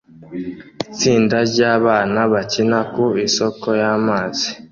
Itsinda ryabana bakina ku isoko y'amazi